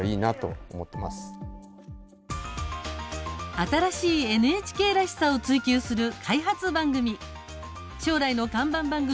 新しいＮＨＫらしさを追求する開発番組。